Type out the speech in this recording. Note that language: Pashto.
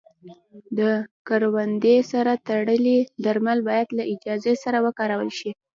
د کروندې سره تړلي درمل باید له اجازې سره وکارول شي.